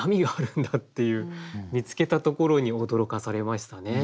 見つけたところに驚かされましたね。